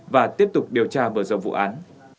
và tiếp tục điều tra vừa rồi vụ án